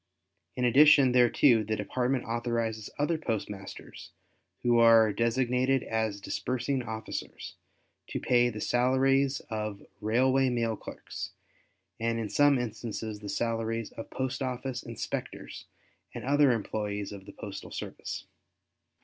In addition thereto the Department authorizes other postmasters who are designated as disbursing officers, to pay the salaries of railway mail clerks, and in some instances the salaries of postoffice inspectors and other employes of the postal service.